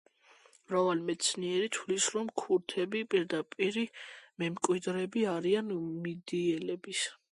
მრავალი მეცნიერი თვლის, რომ ქურთები პირდაპირი მემკვიდრეები არიან მიდიელების.